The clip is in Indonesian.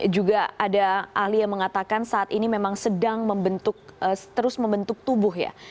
juga ada ahli yang mengatakan saat ini memang sedang terus membentuk tubuh ya